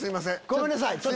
ごめんなさい。